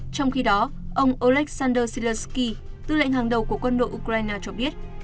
trong khi đó ông oleksandr siletsky tư lệnh hàng đầu của quân đội ukraine cho biết